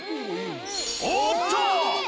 おっと！